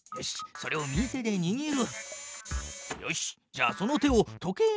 それを右手でにぎる。